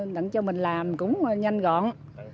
để cho mình làm cũng nhanh gọn